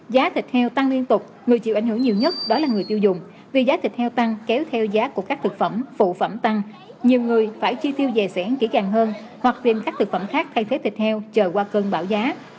giá thịt heo tăng liên tục người chịu ảnh hưởng nhiều nhất đó là người tiêu dùng vì giá thịt heo tăng kéo theo giá của các thực phẩm phụ phẩm tăng nhiều người phải chi tiêu dài dẻn kỹ càng hơn hoặc tìm các thực phẩm khác thay thế thịt heo chờ qua cơn bão giá